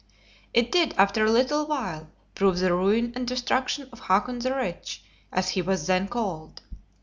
It did, after a little while, prove the ruin and destruction of Hakon the Rich, as he was then called.